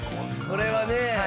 これはね。